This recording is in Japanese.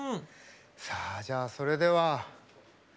さあじゃあそれでは早いわ！